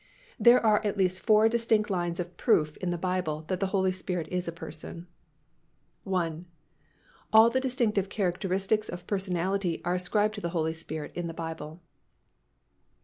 There are at least four distinct lines of proof in the Bible that the Holy Spirit is a person. I. _All the distinctive characteristics of personality are ascribed to the Holy Spirit in the Bible.